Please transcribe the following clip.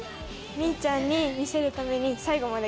みぃちゃんに見せるために最後まで。